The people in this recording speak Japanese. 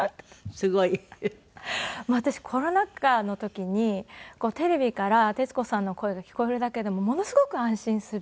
私コロナ禍の時にテレビから徹子さんの声が聞こえるだけでものすごく安心する。